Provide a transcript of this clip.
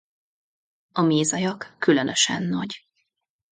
A mézajak különösen nagy.